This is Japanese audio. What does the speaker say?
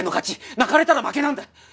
泣かれたら負けなんだ。